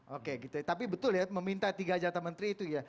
oke gitu tapi betul ya meminta tiga jatah menteri itu ya